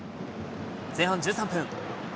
前半１３分。